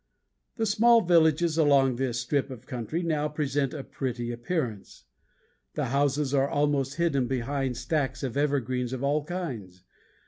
The small villages along this strip of country now present a pretty appearance. The houses are almost hidden behind stacks of evergreens of all kinds.